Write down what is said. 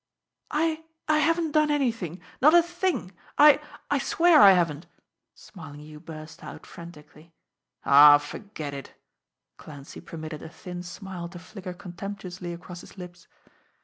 "I I haven't done anything! Not a thing! I I swear I haven't!" Smarlinghue burst out frantically. "Aw, forget it!" Clancy permitted a thin smile to flicker contemptuously across his lips.